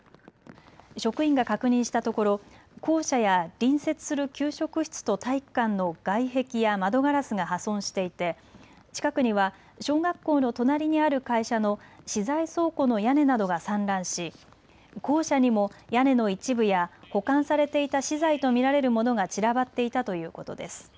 職員が確認したところ校舎や隣接する給食室と体育館の外壁や窓ガラスが破損していて近くには小学校の隣にある会社の資材倉庫の屋根などが散乱し校舎にも屋根の一部や保管されていた資材と見られるものが散らばっていたということです。